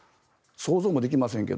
想像もできませんけど。